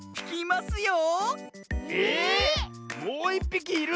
もういっぴきいる⁉